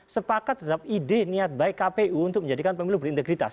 sepakat terhadap ide niat baik kpu untuk menjadikan pemilu berintegritas